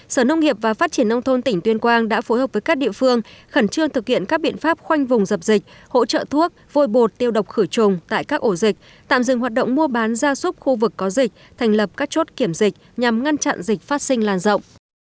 sở nông nghiệp và phát triển nông thôn tỉnh tuyên quang đã phối hợp với các địa phương khẩn trương thực hiện các biện pháp khoanh vùng dập dịch hỗ trợ thuốc vôi bột tiêu độc khử trùng tại các ổ dịch tạm dừng hoạt động mua bán gia súc khu vực có dịch thành lập các chốt kiểm dịch nhằm ngăn chặn dịch phát sinh làn rộng